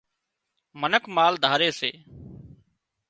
منک مال ڌاري سي